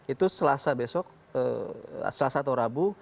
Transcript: itu selasa besok selasa atau rabu